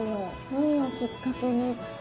何をきっかけにですか？